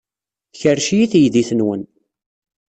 Tkerrec-iyi teydit-nwen.